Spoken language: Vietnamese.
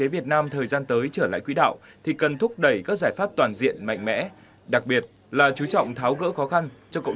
ở việt nam nó cũng được đầu tàu chạy trong lớn toàn tộc